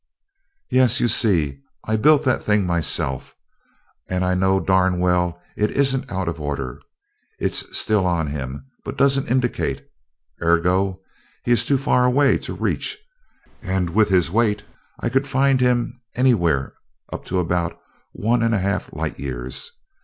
"Yes. You see, I built that thing myself, and I know darn well it isn't out of order. It's still on him, but doesn't indicate. Ergo, he is too far away to reach and with his weight, I could find him anywhere up to about one and a half light years.